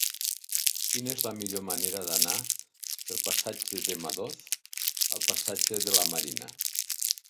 Quina és la millor manera d'anar del passatge de Madoz al passatge de la Marina?